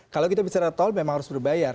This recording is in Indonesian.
kalau kita bicara tol memang harus berbayar